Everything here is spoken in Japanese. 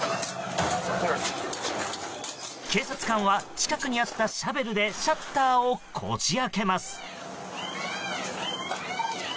警察官は近くにあったシャベルでシャッターをこじ開けます。